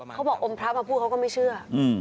เขาบอกอมพระมาพูดเขาก็ไม่เชื่อ